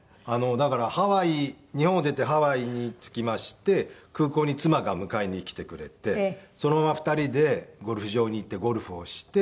だからハワイ日本を出てハワイに着きまして空港に妻が迎えにきてくれてそのまま２人でゴルフ場に行ってゴルフをして。